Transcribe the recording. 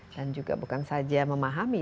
dan juga bukan saja memahami